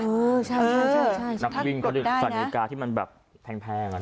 เออใช่นักวิ่งเขาจะจัดนาฬิกาที่มันแพงอ่ะเนอะ